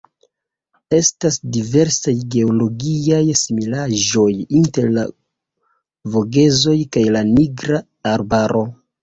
Estas diversaj geologiaj similaĵoj inter la Vogezoj kaj la Nigra Arbaro.